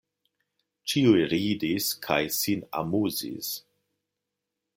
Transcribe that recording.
Ĉiuj ridis kaj sin amuzis.